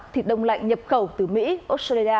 thịt đông lạnh nhập khẩu từ mỹ australia